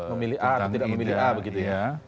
memilih a atau tidak memilih a begitu ya